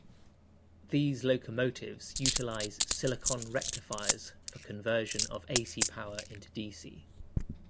These locomotives utilise silicon rectifiers for conversion of ac power into dc.